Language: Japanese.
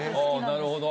なるほど。